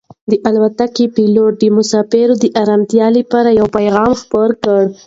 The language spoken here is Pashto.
د الوتکې پېلوټ د مسافرو د ارامتیا لپاره یو پیغام خپور کړ.